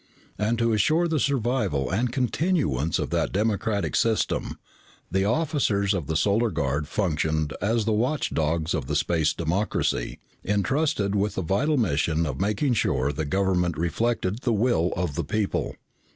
And to assure the survival and continuance of that democratic system, the officers of the Solar Guard functioned as the watchdogs of the space democracy, entrusted with the vital mission of making sure the government reflected the will of the people.